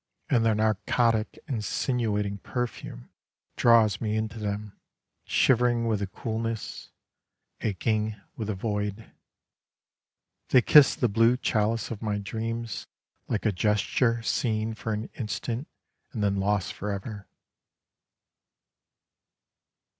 And their narcotic insinuating perfume Draws me into them Shivering with the coolness, Aching with the void. They kiss the blue chalice of my dreams Like a gesture seen for an instant and then lost forever.